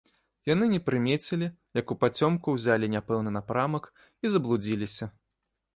Яны не прымецілі, як упацёмку ўзялі няпэўны напрамак і заблудзіліся.